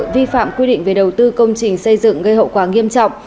vi phạm quy định về đầu tư công trình xây dựng gây hậu quả nghiêm trọng